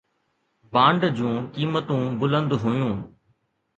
bond جون قيمتون بلند هيون